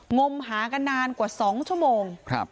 งมหากันนานกว่า๒ชั่วโมง